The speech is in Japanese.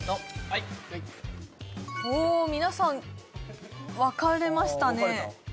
おお皆さん分かれましたね